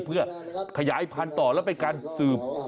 เพื่อขยายพันธุ์ต่อแล้วเป็นการสืบ